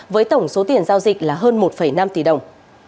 với tổng số tiền giao dịch là hơn một năm tỷ đồng